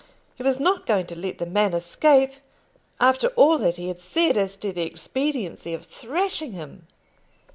He was not going to let the man escape, after all that he had said as to the expediency of thrashing him.